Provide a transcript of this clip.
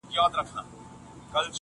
o زړه لکه هينداره ښيښې گلي.